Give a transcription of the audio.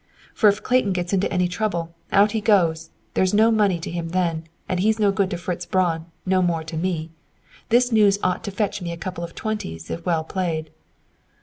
"For if Clayton gets into any trouble, out he goes! There's no money in him then, and he's no good to Fritz Braun, no more to me. This news ought to fetch me a couple of twenties if well played."